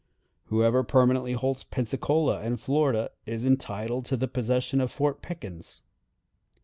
Whoever permanently holds Pensacola and Florida is entitled to the possession of Fort Pickens.